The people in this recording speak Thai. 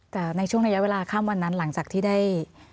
แต่ในช่วงระยะเวลาข้ามวันนั้นหลังจากที่ได้